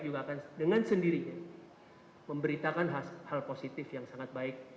juga akan dengan sendirinya memberitakan hal positif yang sangat baik